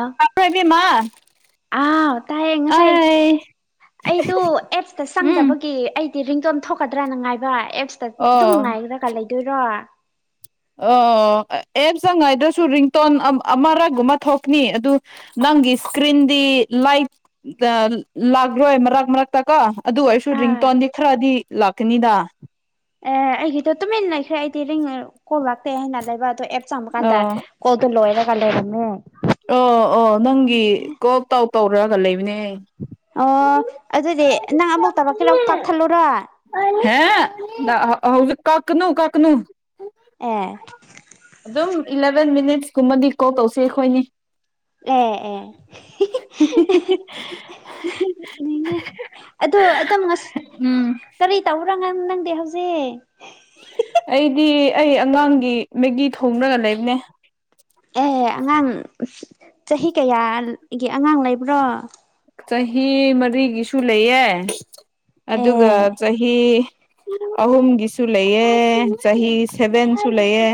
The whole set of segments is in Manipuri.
ꯑ ꯄ꯭ꯔꯕꯤꯃꯥ ꯑꯥ ꯇꯥꯏꯌꯦ ꯉꯁꯥꯏ ꯑꯩ ꯑꯩꯗꯨ ꯑꯦꯞꯁꯇ ꯎꯝ ꯆꯪꯗꯕꯒꯤ ꯑꯩ ꯇꯤꯔꯤꯡꯗꯣ ꯑꯃ ꯊꯣꯛꯀꯗ꯭ꯔꯥꯅ ꯉꯥꯏ ꯑꯦꯞꯁꯇ ꯑꯗꯨꯝ ꯑꯣ ꯉꯥꯏꯒꯗ꯭ꯔꯒ ꯂꯩꯗꯣꯏꯔꯣ ꯑꯣ ꯑꯦꯞ ꯆꯪꯉꯥꯏꯗꯁꯨ ꯔꯤꯡꯇꯣꯟ ꯑꯃꯔꯛꯨꯝ ꯑꯃ ꯊꯣꯛꯀꯅꯤ ꯑꯗꯨ ꯅꯪꯒꯤ ꯏꯁꯀ꯭ꯔꯤꯟꯗꯤ ꯂꯥꯏꯠ ꯂꯥꯛꯈꯔꯣꯏ ꯃꯔꯛ ꯃꯔꯛꯇꯀꯣ ꯑꯗꯨ ꯑꯣꯏꯔꯁꯨ ꯑꯥ ꯔꯤꯡꯇꯣꯟꯗꯤ ꯈꯔꯗꯤ ꯂꯥꯛꯀꯅꯤꯗ ꯑꯦ ꯑꯩꯒꯤꯗꯣ ꯇꯨꯃꯤꯟꯅ ꯂꯩꯈ꯭ꯔꯦ ꯑꯩꯗꯤꯡ ꯀꯣꯜ ꯂꯥꯛꯇꯦ ꯍꯥꯏꯅ ꯂꯩꯕ ꯑꯗꯣ ꯑꯦꯞ ꯑ ꯊꯃꯀꯥꯟꯗ ꯀꯣꯗ ꯂꯣꯋꯔ ꯀꯂꯔꯃꯦ ꯑꯣ ꯑꯣ ꯅꯪ ꯀꯣꯞ ꯇ ꯇꯧꯔꯒ ꯂꯩꯕꯅꯦ ꯑꯣ ꯑꯗꯨꯗꯤ ꯅꯪ ꯑꯃꯨꯛ ꯇꯧꯔꯛꯀꯦꯔꯣ ꯀꯛꯊꯠꯂꯨꯔꯣ ꯍꯦ ꯀꯀꯅꯨ ꯀꯈꯅꯨ ꯑꯦ ꯑꯗꯨꯝ ꯏꯂꯕꯦꯟ ꯃꯤꯠ ꯀꯨꯝꯕꯗꯤ ꯀꯣꯜ ꯇꯧꯁꯤꯦ ꯑꯩꯈꯣꯏꯅꯤ ꯑꯦ ꯑꯦꯅꯦ ꯑꯗꯣ ꯑꯗꯨꯝ ꯎꯝ ꯀꯔꯤ ꯇꯧꯔ ꯉ ꯅꯪ ꯗ ꯍꯧꯁꯦ ꯑꯩꯗꯤ ꯑꯩ ꯑꯉꯥꯡꯒꯤ ꯃꯦꯒꯤ ꯊꯣꯡꯅꯒ ꯂꯩꯕꯅꯦ ꯑꯦ ꯑꯉꯥꯡ ꯆꯍꯤ ꯀꯌꯥꯒꯤ ꯑꯉꯥꯡ ꯂꯩꯕ꯭ꯔꯣ ꯆꯍꯤ ꯃꯔꯤꯒꯤꯁꯨ ꯂꯩꯌꯦ ꯑꯗꯨꯒ ꯑꯦ ꯆꯍꯤ ꯑꯍꯨꯝꯒꯤꯁꯨ ꯂꯩꯌꯦ ꯆꯍꯤ ꯁꯦꯚꯦꯟꯁꯨ ꯂꯩꯌꯦ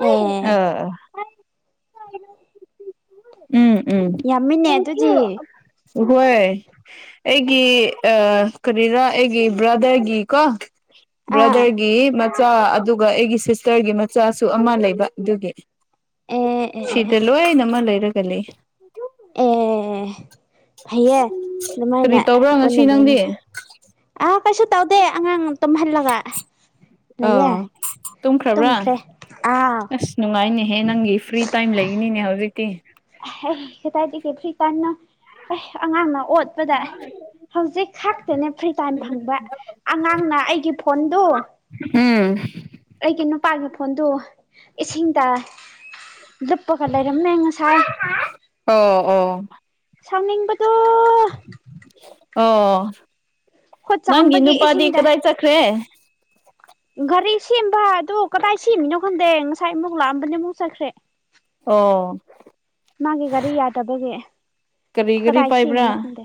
ꯑꯦ ꯑꯥ ꯀ ꯌꯥꯝꯃꯤꯟꯅ ꯑꯗꯨꯗꯤ ꯍꯣꯏ ꯑꯩꯒꯤ ꯑ ꯀꯔꯤꯅꯣ ꯑꯩꯒꯤ ꯕ꯭ꯔꯥꯗꯔꯒꯤ ꯀꯣ ꯑꯥ ꯭ꯔꯗꯔꯒꯤ ꯃ ꯃꯆꯥ ꯑꯗꯨꯒ ꯑꯩꯒꯤ ꯁꯤꯁꯇꯔꯒꯤ ꯃꯆꯥꯁꯨ ꯑꯃ ꯂꯩꯕ ꯑꯗꯨꯒꯤ ꯑꯦ ꯑꯦ ꯑꯦ ꯁꯤꯗ ꯂꯣꯏꯅ ꯑꯃ ꯂꯩꯔꯒ ꯀ ꯂꯩ ꯑꯦ ꯐꯩꯌꯦ ꯀꯔꯤ ꯑꯗꯨꯃꯥꯏꯅ ꯇꯧꯕ꯭ꯔꯥ ꯉꯁꯤ ꯄꯨꯟꯅ ꯅꯪꯗꯤ ꯂꯩꯃꯤꯟꯅ ꯑ ꯀꯩꯁꯨ ꯇꯧꯗꯦ ꯑꯉꯥꯡ ꯇꯨꯝꯍꯜꯂꯒ ꯑ ꯂꯩꯌꯦ ꯇꯨꯝꯈ꯭ꯔꯕ꯭ꯔꯥ ꯇꯨꯝꯈ꯭ꯔꯦ ꯑꯥꯎ ꯍꯦ ꯅꯪꯒꯤ ꯐ꯭ꯔꯤ ꯇꯥꯏꯝ ꯂꯩꯒꯅꯤꯅꯦ ꯍꯧꯖꯤꯛ [unintelligible] ꯍꯗꯥꯗꯤꯗꯒꯤ ꯐꯔꯤ ꯇꯟꯅꯣ ꯑ ꯑꯉꯝ ꯑꯣꯠꯄꯗ ꯍꯧꯖꯤꯛ ꯈꯥꯛꯇꯅꯦ ꯐ꯭ꯔꯤ ꯇꯥꯏꯝ ꯐꯪꯕ ꯑꯉꯥꯡꯅ ꯑꯩꯒꯤ ꯐꯣꯟꯗꯨ ꯎꯝ ꯑꯩꯒꯤ ꯃꯄꯥꯥꯟꯒꯤ ꯐꯣꯟꯗꯨ ꯏꯁꯤꯡ ꯇꯥꯏꯦ ꯂꯨꯞꯄꯒ ꯂꯩꯔꯝꯃꯦ ꯉꯁꯥꯏ ꯑꯣ ꯑꯣ ꯁꯥꯎꯅꯤꯡꯕꯗꯨ ꯑꯣ ꯈꯨꯠ ꯅꯪꯒꯤ ꯆꯥꯝꯕꯒꯤ ꯅꯨꯄꯥꯗꯤ ꯏꯁꯤꯡꯗ ꯀꯗꯥꯥꯏ ꯆꯈ꯭ꯔꯦ ꯒꯥꯔꯤ ꯁꯦꯝꯕ ꯍꯥꯏꯗꯣ ꯀꯗꯥꯏ ꯁꯦꯝꯃꯤꯅꯣ ꯈꯪꯗꯦ ꯉꯁꯥꯏ ꯑꯃꯨꯛ ꯂꯥꯛꯑꯝꯕꯅꯦ ꯑꯃꯨꯛ ꯆꯠꯈ꯭ꯔꯦ ꯑꯣ ꯃꯥꯒꯤ ꯒꯥꯔꯤ ꯌꯥꯗꯕꯒꯤꯦ ꯀꯔꯤ ꯀꯔꯤ ꯀꯗꯥꯏ ꯁꯤꯅꯤꯅꯣ ꯄꯥꯏꯕ꯭ꯔꯥ ꯈꯟꯗꯦ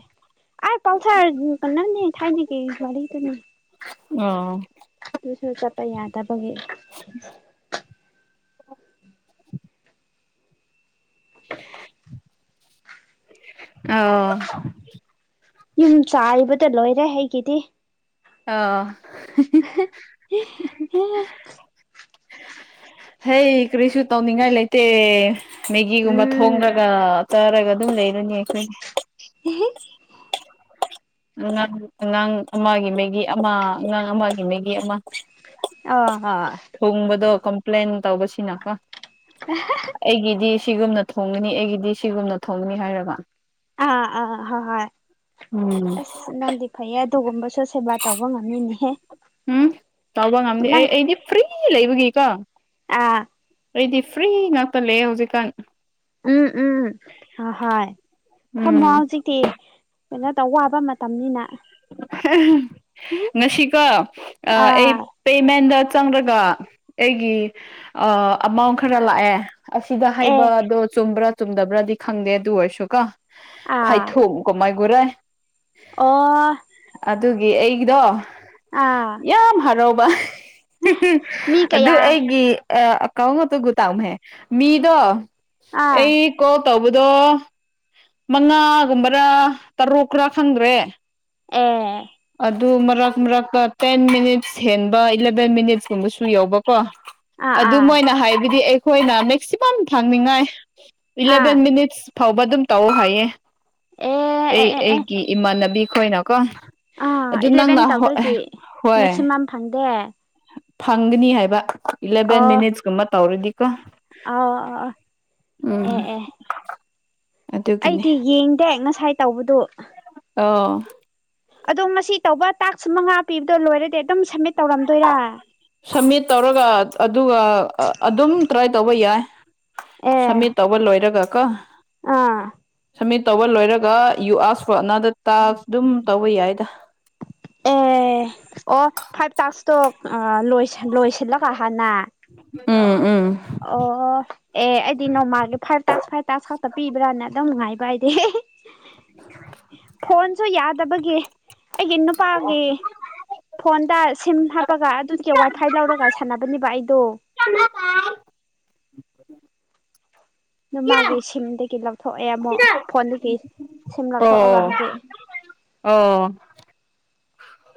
ꯑꯩ ꯄꯜꯁꯔ ꯀꯟꯅꯅꯤ ꯊꯦꯡꯨ ꯀ ꯋꯥ ꯇꯅꯤ ꯑꯣ ꯇꯨ ꯁꯣꯄꯥ ꯌꯥꯗꯕꯒ ꯑꯣ ꯌꯨꯝ ꯆꯥꯔꯤꯕꯗ ꯂꯣꯏꯔꯦ ꯑꯩꯒꯤꯗꯤ ꯑꯥ ꯍꯩ ꯀꯔꯤꯁꯨ ꯇꯧꯅꯤꯡꯉꯥꯏ ꯂꯩꯇꯦ ꯃꯦꯒꯤꯒꯨꯝꯕ ꯎꯝ ꯊꯣꯡꯂꯒ ꯇꯥꯔꯒ ꯑꯗꯨꯝ ꯂꯩꯔꯨꯅꯦ ꯑꯩꯈꯣꯏꯅꯦ ꯍ ꯑꯉꯥꯡ ꯑꯉꯥꯡ ꯑꯃꯒꯤ ꯃꯒꯤ ꯑꯃ ꯑꯉꯥꯡ ꯑꯃꯒꯤ ꯃꯒꯤ ꯑꯃ ꯑꯣ ꯍꯣꯏ ꯊꯣꯡꯕꯗꯣ ꯀꯝꯄ꯭ꯂꯦꯟ ꯇꯧꯕꯁꯤꯅꯀꯣ ꯑꯩꯒꯤꯗꯤ ꯁꯤꯒꯨꯝꯅ ꯊꯣꯡꯒꯅꯤ ꯑꯩꯒꯤꯗꯤ ꯁꯤꯒꯨꯝꯅ ꯊꯣꯡꯒꯅꯤ ꯍꯥꯏꯔꯕ ꯑꯥ ꯑꯥ ꯍ ꯍꯣꯏ ꯎꯝ ꯅꯥꯟꯗꯤ ꯐꯥꯏꯌꯦꯦ ꯑꯗꯨꯒꯨꯝꯕ ꯦ ꯇꯒꯣ ꯉꯝꯃꯤ ꯎꯝ ꯆꯥꯎꯥꯎꯕꯝꯗꯤꯗꯤ ꯐ꯭ꯔꯤ ꯀ ꯂꯩꯕꯒꯤ ꯀ ꯑꯥ ꯑꯩꯗꯤ ꯐ꯭ꯔꯤ ꯉꯥꯛꯇ ꯂꯩꯦ ꯍꯧꯖꯤꯛꯀꯥꯟ ꯎꯝ ꯎꯝ ꯍꯣꯏ ꯐꯝ ꯃꯣ ꯎꯝ ꯍꯧ ꯆꯤꯛꯇꯤ ꯀꯩꯅꯣꯇ ꯋꯥꯕ ꯃꯇꯝꯅꯤꯅ [inaudible] ꯉꯁꯤꯀ ꯑꯩ ꯑꯥ ꯄꯦꯃꯦꯟꯗ ꯆꯪꯔꯒ ꯑꯩꯒꯤ ꯑꯃꯥꯎꯟ ꯈꯔ ꯂꯥꯛꯑꯦ ꯑꯁꯤꯗ ꯑꯦ ꯍꯥꯏꯕ ꯑꯗꯣ ꯆꯨꯝꯕ꯭ꯔꯥ ꯆꯨꯝꯗꯕ꯭ꯔꯗꯤ ꯈꯪꯗꯦ ꯑꯗꯨ ꯑꯣꯏꯔꯁꯨ ꯀ ꯑꯥ ꯐꯥꯏꯊꯣꯛ ꯀꯃꯥꯏ ꯒꯨꯔꯥꯏ ꯑꯣ ꯑꯗꯨꯒꯤ ꯑꯩꯒꯤꯗꯣ ꯑꯥ ꯌꯥꯝ ꯍꯔꯑꯣ ꯃꯤ [inaudible] ꯑꯗꯨ ꯀꯌꯥ ꯑꯩꯒꯤ ꯑ ꯀꯥꯎ ꯉꯇ ꯨꯇꯥꯝ ꯍꯦ ꯃꯤꯗꯣ ꯑꯥ ꯑꯩ ꯀꯣ ꯇꯧꯕꯗꯣ ꯃꯉꯥꯒꯨꯝꯕꯔꯥ ꯇꯔꯨꯛ ꯈꯔ ꯈꯪꯗ꯭ꯔꯦ ꯑ ꯑꯗꯨ ꯃꯔꯛ ꯃꯔꯛꯀ ꯇꯦꯟ ꯃꯤꯅꯤꯠꯁ ꯍꯦꯟꯕ ꯏꯂꯚꯦꯟ ꯃꯤꯅꯤꯠꯁꯀꯨꯝꯕꯁꯨ ꯌꯥꯎꯧꯕꯀꯣ ꯑꯥ ꯑꯗꯨ ꯑꯥ ꯃꯣꯏꯅ ꯍꯥꯏꯕꯗꯤ ꯑꯩ ꯍꯣꯏꯅ ꯃꯦꯛꯁꯤꯃꯝ ꯊꯥꯡꯅꯤꯡꯉꯥꯏ ꯑꯥ ꯏꯂꯕꯦꯟ ꯃꯤꯅꯤꯠꯁ ꯐꯕ ꯑꯗꯨꯝ ꯇꯧꯑꯣ ꯍꯥꯏꯌꯦ ꯑꯦ ꯑꯦ ꯑꯩ ꯑꯦ ꯑꯦ ꯑꯩꯒꯤ ꯏꯃꯥꯟꯅꯕꯤ ꯍꯣꯏꯅ ꯀꯣ ꯑꯥ ꯏꯂꯚꯦꯟ ꯇꯧꯗ꯭ꯔꯗꯤ ꯍꯣꯏ ꯃꯦꯛꯁꯤꯃꯝ ꯐꯪꯗꯦ ꯐꯪꯒꯅꯤ ꯍꯥꯏꯕ ꯏꯂꯕꯟ ꯃꯅꯤꯠꯁ ꯃ ꯇꯧꯔꯗꯤ ꯑ ꯎꯝ ꯑꯦ ꯑꯦ ꯑꯗꯨꯒꯤꯅꯤ ꯑꯩꯗꯤ ꯌꯦꯡꯗꯦ ꯉ ꯁꯥꯏ ꯇꯧꯕꯗꯣ ꯑꫭ ꯑꯗꯣ ꯉꯁꯤ ꯇꯧꯕ ꯇꯥꯛꯁ ꯃꯉꯥ ꯄꯤꯕꯗꯣ ꯂꯣꯏꯔꯗꯤ ꯑꯗꯨꯝ ꯁꯝꯃꯤꯠ ꯇꯧꯔꯝꯗꯣꯏꯔꯥ ꯁꯝꯃꯤꯠ ꯇꯧꯔꯒ ꯑꯗꯨꯒ ꯑꯗꯨꯝ ꯇ꯭ꯔꯥꯏ ꯇꯧꯕ ꯌꯥꯏ ꯑꯦ ꯁꯝꯃꯤꯠ ꯇꯧꯕ ꯂꯣꯏꯔꯒ ꯀꯣ ꯑꯥ ꯁꯃꯤꯠ ꯇꯧꯕ ꯂꯣꯏꯔꯒ ꯌꯨ ꯑꯔ ꯀꯣꯅꯥꯗ ꯇꯥꯛꯏ ꯑꯗꯨꯝ ꯇꯧꯕ ꯌꯥꯏꯗ ꯏꯁꯇꯣꯛ ꯂꯣꯏ ꯂꯣꯏꯁꯤꯜꯂꯒ ꯍꯅ ꯎꯝ ꯎꯝ ꯑꯣ ꯑꯦ ꯑꯩꯗꯤ ꯅꯣꯡꯃꯥꯒꯤ ꯐꯥꯏꯚ ꯇꯁ ꯐꯥꯏꯚ ꯇꯥꯁ ꯈꯥꯛꯛꯇ ꯄꯤꯕ꯭ꯔꯅ ꯑꯗꯨꯝ ꯅꯨꯡꯉꯥꯏꯕ ꯑꯩ ꯍ ꯐꯣꯟꯁꯨ ꯌꯥꯗꯦ ꯌꯗꯕꯒꯤ ꯑꯩꯒꯤ ꯅꯨꯄꯥꯒꯤ ꯐꯣꯟꯗ ꯁꯤꯝ ꯍꯥꯞꯄꯒ ꯑꯗꯨꯒꯤ ꯋꯥꯏꯐꯥꯏ ꯂꯧꯔꯒ ꯁꯥꯟꯅꯕꯅꯦꯕ ꯑꯩꯗꯣ ꯎꯝ ꯑꯗꯨ ꯃꯥꯒꯤ ꯁꯤꯝꯗꯒꯤ ꯂꯧꯊꯣꯛꯑꯦ ꯑꯃꯨꯛ ꯐꯣꯟꯗꯒꯤ ꯁꯤꯝ ꯑꯣ ꯂꯧꯊꯣꯛꯑꯒ ꯍꯧꯖꯤꯛ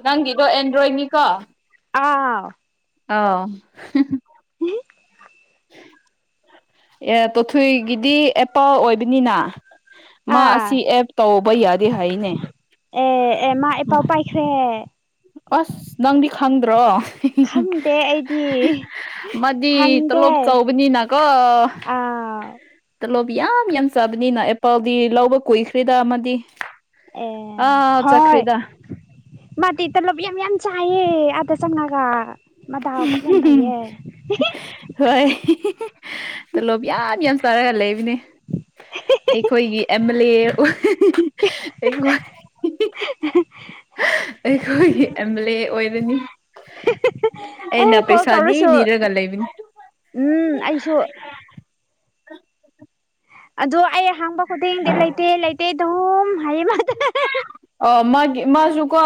ꯅꯪꯗꯣ ꯑꯦ ꯟ꯭ꯔꯣꯌꯅꯤꯀꯥ ꯑꯥ ꯑꯥꯎ ꯍ ꯑꯦ ꯇꯣꯊꯣꯏꯒꯤꯗꯤ ꯑꯦꯄꯜ ꯑꯣꯏꯕꯅꯤꯅ ꯃꯥ ꯑꯥ ꯑꯁꯤ ꯑꯦꯞ ꯇꯧꯕ ꯌꯥꯗꯦ ꯍꯥꯏꯅꯦ ꯑꯦ ꯑꯦ ꯃꯥ ꯑꯦꯄꯜ ꯄꯥꯏꯈ꯭ꯔꯦ ꯑꯁ ꯅꯪꯗꯤ ꯈꯪꯗ꯭ꯔꯣ ꯈꯪꯗꯦ ꯑꯩꯗꯤ ꯃꯥꯗꯤ ꯍꯪꯗꯦ ꯇꯂꯣꯞ ꯆꯥꯎꯕꯅꯤꯅꯀꯣ ꯑꯥꯎ ꯇꯂꯣꯞ ꯌꯥꯝ ꯌꯥꯝ ꯆꯥꯕꯅꯤꯅ ꯑꯦꯄꯜꯗꯤ ꯂꯧꯕ ꯀꯨꯏꯈ꯭ꯔꯤꯗ ꯃꯗꯤ ꯑꯦ ꯍꯣꯏ ꯃꯥꯇꯤ ꯇꯣꯂꯣꯞ ꯌꯥꯝ ꯌꯥꯝ ꯆꯥꯏꯌꯦ ꯑꯗ ꯆꯪꯉꯒ ꯃꯗꯥꯎ ꯌꯥꯝ ꯐꯩꯌꯦ ꯍꯣꯏ ꯇꯂꯣꯞ ꯌꯥꯝ ꯌꯥꯝ ꯆꯥꯔꯒ ꯂꯩꯕꯅꯦ ꯑꯩꯈꯣꯏꯒꯤ ꯑꯦꯝ ꯑꯦꯜ ꯑꯦ ꯑꯩꯈꯣꯏ ꯑꯗꯨꯅꯤ ꯑꯦ ꯀꯣꯜ ꯇꯧꯔꯁꯨ ꯅꯤꯔꯒ ꯂꯩꯕꯅꯤ ꯎꯝ ꯑꯩꯁꯨ ꯑꯗꯣ ꯑꯩ ꯍꯥꯡꯕ ꯈꯨꯗꯤꯡꯗꯤ ꯂꯩꯇꯦ ꯂꯩꯇꯦ ꯗꯨꯝ ꯍꯥꯏꯌꯦ ꯃꯥꯗꯤ ꯃꯥꯁꯨ ꯀꯣ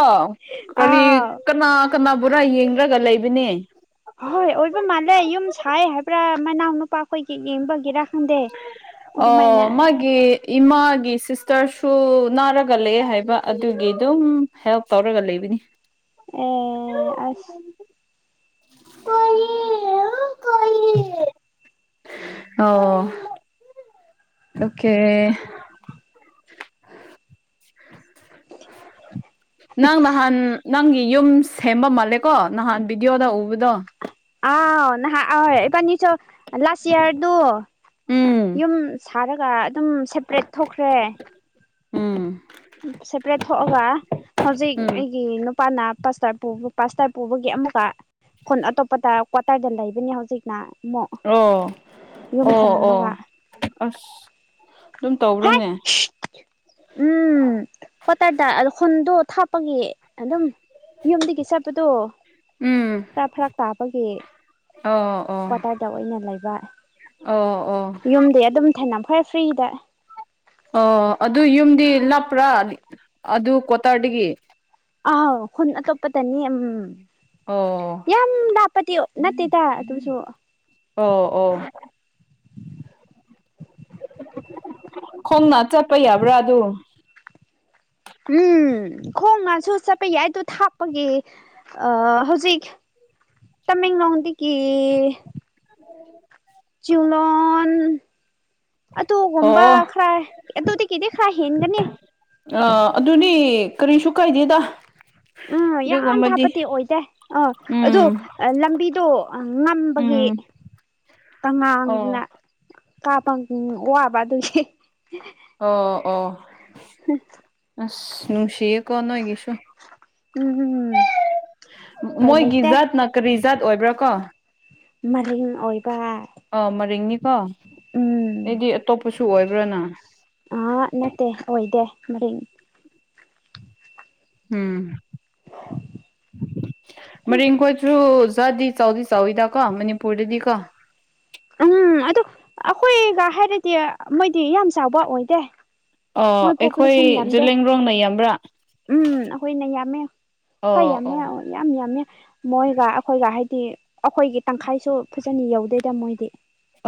ꯀꯂꯤ ꯑꯥ ꯀꯅꯥ ꯀꯅꯥꯕꯨꯔꯥ ꯌꯦꯡꯔꯒ ꯂꯩꯕꯅꯦ ꯍꯣꯏ ꯑꯣꯏꯕ ꯃꯥꯜꯂꯦ ꯌꯨꯝ ꯁꯥꯏ ꯍꯥꯏꯕ꯭ꯔꯥ ꯃꯅꯥꯎ ꯅꯨꯄꯥ ꯑꯩꯈꯣꯏꯒꯤ ꯌꯦꯡꯕꯒꯤꯔ ꯑꯣ ꯃꯥꯒꯤ ꯏꯃꯥꯒꯤ ꯁꯤꯁꯇꯔꯁꯨ ꯅꯥꯔꯒ ꯂꯩ ꯍꯥꯏꯕ ꯑꯗꯨꯒꯤ ꯑꯗꯨꯝ ꯍꯦꯜꯞ ꯇꯧꯔꯒ ꯂꯩꯕꯅꯤ ꯑꯦ ꯑꯁ ꯑꯣ ꯑꯣꯀꯦ ꯅꯪ ꯅꯍꯥꯟ ꯅꯪꯒꯤ ꯌꯨꯝ ꯁꯦꯝꯕ ꯃꯥꯜꯂꯦꯀꯣ ꯅꯍꯥꯟ ꯚꯤꯗꯤꯑꯣꯗ ꯎꯕꯗꯣ ꯑꯥꯎ ꯅꯍꯥꯛ ꯑ ꯏꯕꯥꯅꯤꯁꯨ ꯂꯥꯁ ꯏꯌꯥꯔꯗꯨ ꯎꯝ ꯌꯨꯝ ꯈꯔꯒ ꯑꯗꯨꯝ ꯁꯦꯄꯔꯦꯠ ꯊꯣꯛꯈ꯭ꯔꯦ ꯎꯝ ꯁꯦꯄꯔꯦꯠ ꯊꯣꯛꯑꯒ ꯍꯧꯖꯤꯛ ꯎꯝ ꯑꯩꯒꯤ ꯅꯨꯄꯥꯅ ꯄꯥꯁꯇ ꯄꯥꯁꯇꯔ ꯄꯨꯕꯒꯤ ꯑꯃꯨꯛꯀ ꯈꯨꯟ ꯑꯇꯣꯞꯄꯗ ꯀ꯭ꯋꯥꯇꯔꯗ ꯂꯩꯕꯅꯤ ꯍꯧꯖꯤꯛꯅ ꯑꯃꯨꯛ ꯑꯣ ꯌꯨꯝ ꯑꯣ ꯑꯣ ꯊꯅꯝꯃꯒ ꯑꯁ ꯑꯗꯨꯝ ꯍꯥꯏ ꯇꯧ꯭ꯔꯣꯅꯦ ꯎꯝ ꯀꯇꯇꯥ [unintelligible] ꯈꯟꯗ ꯊꯥꯞꯄꯒꯤ ꯑꯗꯨꯝ ꯌꯨꯝꯗꯒꯤ ꯆꯠꯄꯗꯣ ꯎꯝ ꯆ ꯐꯔꯛ ꯇꯥꯄꯒꯤ ꯑꯣ ꯑꯣ ꯀ꯭ꯋꯥꯇꯔꯗ ꯑꯣꯏꯅ ꯂꯩꯕ ꯑꯣ ꯑꯣ ꯌꯨꯝꯗꯤ ꯑꯗꯨꯝ ꯊꯩꯅꯝ ꯑꯩꯐꯣꯏ ꯐꯔꯤꯗ ꯑꯣ ꯑꯗꯨ ꯌꯨꯝꯗꯤ ꯂꯞꯄ꯭ꯔꯥ ꯑꯗꯨ ꯀ꯭ꯋꯥꯇꯔꯗꯒꯤ ꯑ ꯈꯨꯟ ꯑꯇꯣꯞꯄꯇꯅꯤ ꯎꯝ ꯑꯣ ꯄ ꯅꯠꯇꯦ ꯇ ꯇꯨꯁꯨ ꯑꯣ ꯑꯣ ꯈꯣꯡꯅ ꯆꯠꯄ ꯌꯥꯕ꯭ꯔꯥ ꯑꯗꯨ ꯎꯝ ꯈꯣꯡ ꯉꯥꯁꯨ ꯆꯠꯄ ꯌꯥꯏ ꯑꯩꯗ ꯊꯥꯛꯄꯒꯤ ꯑ ꯍꯧꯖꯤꯛ ꯇꯃꯦꯂꯣꯡꯗꯒꯤ ꯑꯗꯨꯒꯨꯝꯕ ꯑꯣ ꯈꯔ ꯑꯗꯨꯗꯒꯤꯗꯤ ꯈꯔ ꯍꯦꯟꯒꯅꯤ ꯀꯔꯤꯁꯨꯨ ꯀꯥꯏꯗꯦꯗ ꯎꯝ ꯌꯥꯝ ꯑꯗꯨꯒꯨꯝꯕꯗꯤ ꯊꯥꯄꯗꯤ ꯑꯣꯏꯗꯦ ꯑꯥ ꯑꯗꯨ ꯎꯝ ꯂꯝꯕꯤꯗꯣ ꯉꯝꯕꯒꯤ ꯎꯝ ꯀꯪꯂꯉꯥꯡꯅ ꯑꯣ ꯀꯥꯞꯄ ꯋꯥꯕ ꯑꯗꯨꯒꯤ ꯑꯣ ꯑꯣ [unintelligible] ꯑꯥꯁ ꯅꯨꯡꯁꯤꯌꯦꯀꯣ ꯅꯣꯏꯒꯤꯁꯨ ꯎꯝ ꯎꯄꯥꯏ ꯃꯣꯏ ꯂꯩꯇꯦ ꯒꯤꯖꯥꯠ ꯅ ꯀꯔꯤ ꯖꯥꯠ ꯑꯣꯏꯕ꯭ꯔꯥ ꯀꯣ ꯃꯔꯤꯡ ꯑꯣꯏ ꯑꯣ ꯃꯔꯤꯡꯅꯤꯀꯣ ꯎꯝ ꯑꯩꯗꯤ ꯑꯇꯣꯞꯄꯁꯨ ꯁꯨ ꯑꯣꯏꯕ꯭ꯔꯅ ꯑꯥ ꯅꯠꯇꯦ ꯑꯣꯏꯗꯦ ꯃꯔꯤꯡ ꯎꯝ ꯃꯔꯤꯡ ꯀꯣꯏꯁꯨ ꯆꯗꯤ ꯆꯧꯗꯤ ꯆꯧꯏꯗ ꯀꯣ ꯃꯅꯤꯄꯨꯔꯗꯗꯤ ꯀꯣ ꯎꯝ ꯑꯗꯨ ꯑꯩꯈꯣꯏꯒ ꯍꯥꯏꯔꯗꯤ ꯃꯣꯏꯗꯤ ꯌꯥꯝ ꯆꯥꯎꯕ ꯑꯣꯏꯗꯦ ꯃꯣꯏ ꯑꯣ ꯄꯣꯄꯨꯂꯦꯁꯟ ꯑꯩꯈꯣꯏ ꯌꯥꯝꯗꯦ ꯖꯤꯂꯤꯡꯔꯣꯡꯅ ꯌꯥꯝꯕ꯭ꯔꯥ ꯎꯝ ꯑꯩꯈꯣꯏꯅ ꯌꯥꯝꯃꯦ ꯍꯣꯏ ꯑꯣ ꯌꯥꯝꯃꯦ ꯑꯣ ꯌꯥꯝ ꯌꯥꯝꯃꯦ ꯃꯣꯏꯒ ꯑꯩꯈꯣꯏꯒ ꯍꯥꯏꯗꯤ ꯑꯩꯈꯣꯏꯒꯤ ꯇꯪꯈꯥꯏꯁꯨ ꯐꯖꯅ ꯌꯧꯗꯦꯗ ꯃꯣꯏꯗꯤ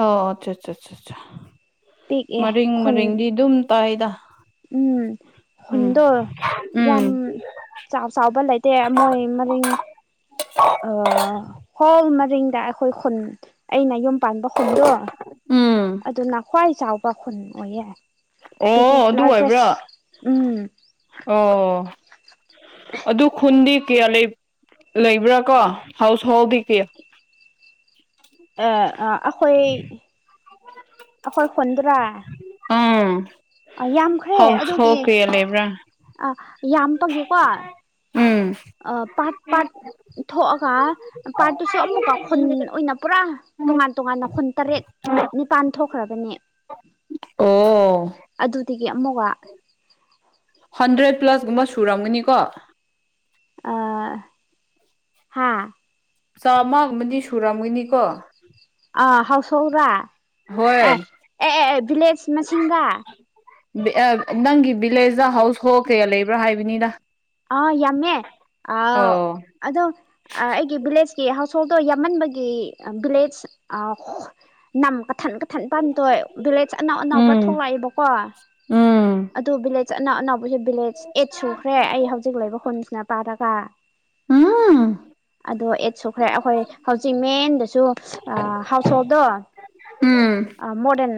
ꯑꯣ ꯑꯆꯥ ꯑꯆꯥ ꯑꯆꯥ ꯄꯤꯛꯑꯦ ꯃꯔꯤꯡ ꯈꯨꯟ ꯃꯔꯤꯡꯗꯤ ꯑꯗꯨꯝ ꯇꯥꯏꯗꯥ ꯎꯝ ꯍꯨꯟꯗꯣ ꯌꯥꯝ ꯎꯝ ꯆꯥꯎ ꯆꯥꯎꯕ ꯂꯩꯇꯦ ꯃꯣꯏ ꯃꯔꯤꯡ ꯇꯔꯤꯡꯗ ꯑꯩꯈꯣꯏ ꯈꯨꯟ ꯑꯩꯅ ꯌꯨꯝ ꯄꯥꯟꯕ ꯈꯨꯨꯟꯗꯣ ꯎꯝ ꯑꯗꯨ ꯅꯈꯋꯥꯏ ꯆꯥꯎꯕ ꯈꯣꯟ ꯑꯣꯏꯌꯦ ꯑꯣ ꯕꯤꯒꯦꯁ ꯑꯗꯨ ꯑꯣꯏꯕ꯭ꯔꯣ ꯂꯥꯔꯖꯦꯁ ꯎꯝ ꯑꯣ ꯑꯗꯨ ꯈꯨꯟꯗꯤ ꯀꯌꯥ ꯂꯩ ꯂꯩꯕ꯭ꯔꯥ ꯀꯣ ꯍꯥꯎꯁ ꯍꯣꯜꯗꯤ ꯀꯌꯥ ꯑꯦ ꯑꯩꯈꯣꯏ ꯑꯩꯈꯣꯏ ꯈꯨꯟꯗ꯭ꯔꯥ ꯎꯝ ꯑꯥ ꯌꯥꯝꯈ꯭ꯔꯦ ꯍꯥꯎꯁ ꯑꯗꯨꯒꯤ ꯍꯣꯜ ꯀꯌꯥ ꯂꯩꯕ꯭ꯔꯥ ꯑ ꯌꯥꯝꯕꯒꯤꯀꯣ ꯑ ꯎꯝ ꯄꯠ ꯄꯠ ꯊꯣꯛꯑ ꯍꯥ ꯄꯥ ꯑꯗꯨꯨꯁꯨ ꯑꯃꯨꯛꯀꯥꯎ ꯈꯨꯟ ꯑꯣꯏꯅ ꯄꯨꯔꯥ ꯇꯣꯉꯥꯟ ꯇꯣꯉꯥꯟꯅ ꯈꯨꯨꯟ ꯇꯔꯦꯠ ꯅꯤꯄꯥꯟ ꯊꯣꯛꯈ꯭ꯔꯕꯅꯦ ꯑꯣ ꯑꯗꯨꯗꯒꯤ ꯑꯃꯨꯛꯒ ꯍꯟꯗ꯭ꯔꯦꯠ ꯄ꯭ꯂꯁꯒꯨꯝꯕ ꯁꯨꯔꯝꯒꯅꯤꯀꯣ ꯑ ꯍꯥꯥ ꯆꯥꯝꯃ ꯑꯃꯗꯤꯗꯤ ꯁꯨꯔꯝꯒꯅꯤꯀꯣ ꯑ ꯍꯥꯎꯁꯧ꯭ꯔꯥ ꯑꯦ ꯍꯣꯏ ꯑꯦ ꯑꯦ ꯚꯂꯦꯖ ꯃꯁꯤꯒꯥ ꯅꯪꯒꯤ ꯚꯤꯂꯦꯖꯇ ꯍꯥꯎ ꯍꯣꯜ ꯀꯌꯥ ꯂꯩꯕ꯭ꯔꯥ ꯍꯥꯏꯕꯅꯤꯗ ꯑ ꯌꯥꯝꯃꯦ ꯑ ꯑꯣ ꯑꯣ ꯑꯩꯒꯤ ꯚꯤꯂꯦꯖꯀꯤ ꯗꯣ ꯌꯥꯝꯃꯟꯕꯒꯤ ꯕꯤꯂꯦꯁ ꯅꯝ ꯀꯊꯜ ꯃꯊꯟ ꯄꯥꯝ ꯇꯣꯏ ꯚꯤꯂꯦꯖ ꯑꯅꯧ ꯑꯅꯕ ꯎꯝ ꯊꯣꯛꯂꯛꯏꯕꯀꯣ ꯎꯝ ꯑꯗꯨ ꯚꯤꯂꯦꯖ [inaudible] ꯍꯧ ꯚꯤꯂꯦꯖ ꯑꯩꯠ ꯁꯨꯈ꯭ꯔꯦ ꯑꯩ ꯒ꯭ꯂꯥꯏꯕ ꯈꯣꯟꯃꯤꯁꯤꯅ ꯄꯥ ꯇꯀꯥ ꯎꯝ ꯑꯗꯣ ꯑꯩꯇ ꯁꯨꯈ꯭ꯔꯦ ꯑꯩꯈꯣꯏ ꯍꯧꯖꯤꯛ ꯃꯦꯟꯗꯁꯨ ꯍꯥꯎꯁ ꯍꯣꯜꯗꯣ ꯎꯝ ꯃꯣꯗꯔꯟ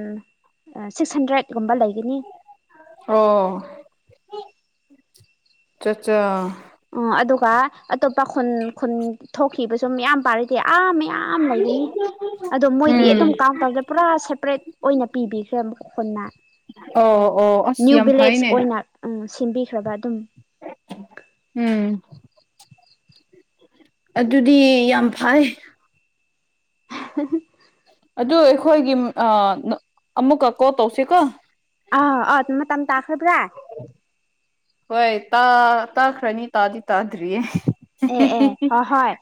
[inaudible] ꯁꯤꯛꯁ ꯍꯟꯗ꯭ꯔꯦꯗꯀꯨꯝꯕ ꯂꯩꯒꯅꯤ ꯑꯆꯥ ꯑꯠꯆꯥ ꯑꯣ ꯑꯗꯨꯒ ꯑꯇꯣꯞꯄ ꯈꯨꯟ ꯈꯨꯟ ꯊꯣꯛꯈꯤꯕ ꯁꯨꯝ ꯌꯥꯝ ꯄꯥꯔꯗꯤ ꯑꯥ ꯃꯌꯥꯝ ꯂꯩꯒꯅꯤ ꯑꯗꯣ ꯃꯣꯏꯗꯤ ꯎꯝ ꯑꯗꯨꯝ ꯀꯥꯎꯟ ꯇꯧꯗꯦ ꯄꯨꯔꯥ ꯁꯦꯄꯔꯦꯠ ꯑꯣꯏꯅ ꯄꯤꯕꯤꯈ꯭ꯔꯦ ꯈꯨꯟꯅ ꯑꯣ ꯑꯣ ꯅ꯭ꯌꯨ ꯑꯁ ꯌꯥꯝ ꯚꯤꯂꯦꯖ ꯐꯩꯅꯦ ꯑꯣꯏꯅ ꯎꯝ ꯁꯤꯟꯕꯤꯈ꯭ꯔꯕ ꯎꯝ [inaudible] ꯑꯗꯨꯗꯤ ꯌꯥꯝ ꯐꯩ [inaudible] ꯑꯗꯨ ꯑꯩꯈꯣꯏꯒꯤ ꯑꯃꯨꯛꯀ ꯀꯣꯜ ꯇꯧꯁꯤꯀꯣ [inaudible] ꯈꯕ꯭ꯔꯥ ꯍꯣꯏ ꯇꯥꯈ꯭ꯔꯅꯤ ꯇꯥꯗꯤ ꯇꯥꯗ꯭ꯔꯤꯌꯦ ꯑꯦ ꯑꯦ ꯍꯣꯏ ꯍꯣꯏ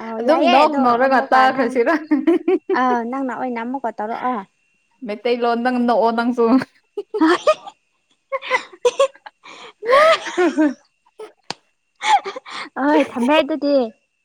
ꯑ ꯑꯗꯨꯝ ꯌꯥꯏꯑꯦ ꯅꯣꯛ ꯑꯗꯣ ꯅꯧꯔꯒ ꯑꯃꯨꯛꯀ ꯅꯪ ꯇꯥꯈ꯭ꯔꯁꯤꯔ ꯑꯥ ꯅꯪꯅ ꯑꯣꯏꯅ ꯑꯃꯨꯛꯀ ꯇꯧꯔꯛꯑꯣ ꯃꯩꯇꯩ ꯂꯣꯗꯪ ꯑꯣꯛꯑꯣ ꯅꯪꯁꯨ [inaudible] [inaudible] [inaudible] ꯑ ꯊꯝꯕ ꯍꯥꯏꯗꯗꯤ